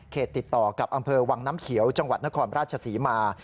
ติดต่อกับอำเภอวังน้ำเขียวจังหวัดนครราชศรีมา